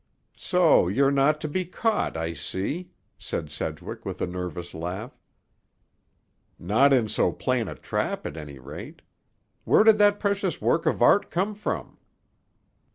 "So you're not to be caught, I see," said Sedgwick, with a nervous laugh. "Not in so plain a trap, at any rate. Where did that precious work of art come from?"